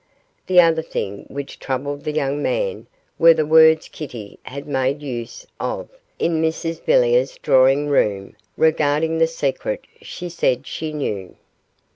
The other thing which troubled the young man were the words Kitty had made use of in Mrs Villiers' drawing room regarding the secret she said she knew.